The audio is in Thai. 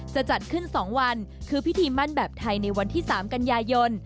จะจัดขึ้น๒วันคือพิธีมั่นแบบไทยในวันที่๓กันยายน